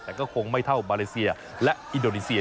แต่ก็คงไม่เท่ามาเลเซียและอินโดนีเซีย